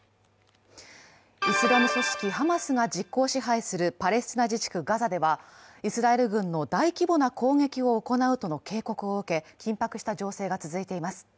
イスラム組織ハマスが実効支配するパレスチナ自治区ガザでは、イスラエル軍の大規模な攻撃を行うとの警告を受け、緊迫した情勢が続いています。